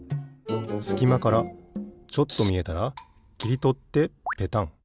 すきまからちょっとみえたらきりとってペタン。